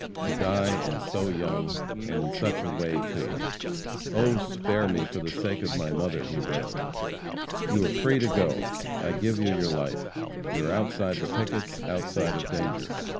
To die, and so young, and in such a way, too! "Oh, spare me for the sake of my mother!" he wailed. "You are free to go! I give you your life. You are outside of the pickets, outside of danger.